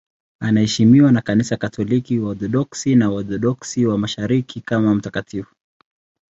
Anaheshimiwa na Kanisa Katoliki, Waorthodoksi na Waorthodoksi wa Mashariki kama mtakatifu.